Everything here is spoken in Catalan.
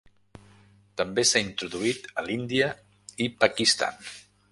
També s'ha introduït a l'Índia i Pakistan.